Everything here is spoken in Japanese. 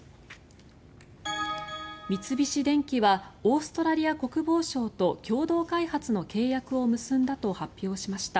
三菱電機はオーストラリア国防省と共同開発の契約を結んだと発表しました。